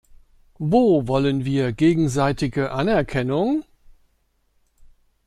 Wo wollen wir gegenseitige Anerkennung?